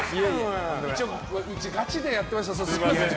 一応、うちガチでやってまして。